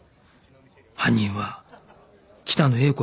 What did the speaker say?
犯人は北野英子